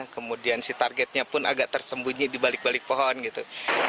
kemudian si targetnya pun agak tersembunyi di balik balik pohon gitu